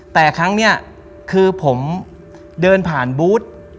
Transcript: แต่ครั้งนี้คือผมเดินผ่านบูธ